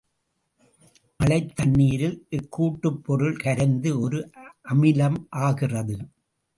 மழைத் தண்ணீரில் இக்கூட்டுப்பொருள் கரைந்து ஒரு அமிலம் ஆகிறது.